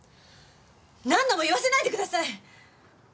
何度も言わせないでください！